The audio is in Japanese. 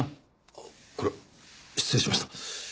あっこれは失礼しました。